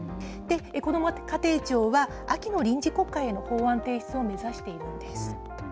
こども家庭庁は、秋の臨時国会への法案提出を目指しているんです。